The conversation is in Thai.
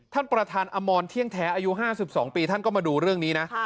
ท่านประธานอมรเที่ยงแท้อายุ๕๒ปีท่านก็มาดูเรื่องนี้นะ